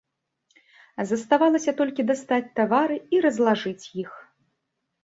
Заставалася толькі дастаць тавары і разлажыць іх.